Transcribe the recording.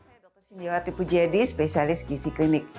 saya dr sindyawati pujiedi spesialis gizi klinik